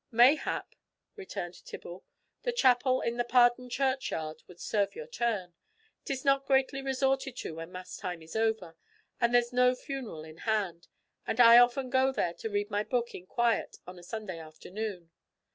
"Mayhap," returned Tibble, "the chapel in the Pardon churchyard would serve your turn. 'Tis not greatly resorted to when mass time is over, when there's no funeral in hand, and I oft go there to read my book in quiet on a Sunday afternoon.